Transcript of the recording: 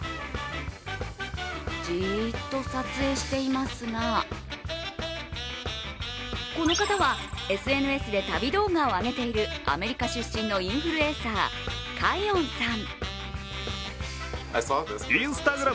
じーっと撮影していますがこの方はＳＮＳで旅動画をあげているアメリカ出身のインフルエンサーカイオンさん。